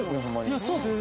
いやそうですね。